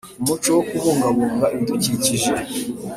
Umuco wo kubungabunga ibidukikije